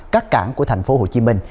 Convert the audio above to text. các cảng của tp hcm